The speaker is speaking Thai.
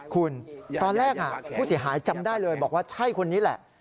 คุณตอนแรกผู้เสียหายจำได้เลยบอกว่าใช่คนนี้แหละ